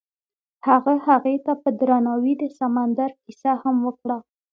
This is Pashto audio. هغه هغې ته په درناوي د سمندر کیسه هم وکړه.